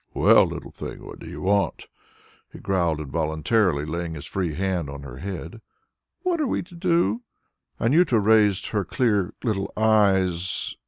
"Well, little thing, what do you want?" he growled, involuntarily laying his free hand on her head. "What are we to do?" Anjuta raised her clear little eyes.